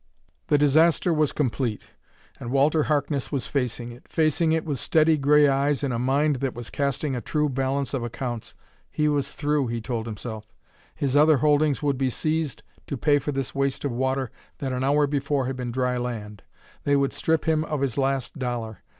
The disaster was complete, and Walter Harkness was facing it facing it with steady gray eyes and a mind that was casting a true balance of accounts. He was through, he told himself; his other holdings would be seized to pay for this waste of water that an hour before had been dry land; they would strip him of his last dollar.